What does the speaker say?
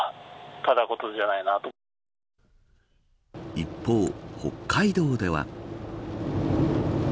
一方、北海道では。